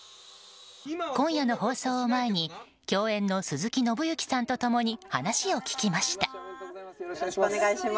今夜の放送を前に共演の鈴木伸之さんと共に話を聞きました。